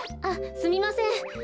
あっすみません。